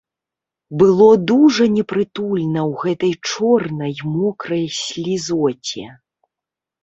Было дужа непрытульна ў гэтай чорнай мокрай слізоце.